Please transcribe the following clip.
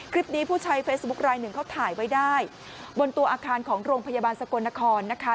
ผู้ใช้เฟซบุ๊คลายหนึ่งเขาถ่ายไว้ได้บนตัวอาคารของโรงพยาบาลสกลนครนะคะ